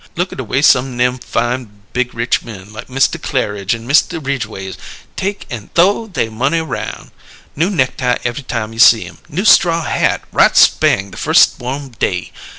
Look at a way some nem fine big rich men like Mista Clairidge an' Mista Ridgways take an' th'ow they money aroun'! New necktie ev'y time you see 'em; new straw hat right spang the firs' warm day.